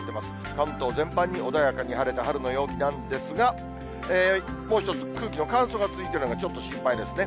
関東全般に穏やかに晴れて、春の陽気なんですが、もう一つ、空気の乾燥が続いているのがちょっと心配ですね。